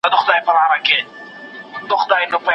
د ژوندون به نوی رنگ وي نوی خوند وي